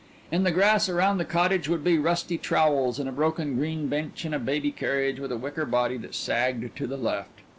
In the grass around the cottage would be rusty trowels and a broken green bench and a baby carriage with a wicker body that sagged to the left.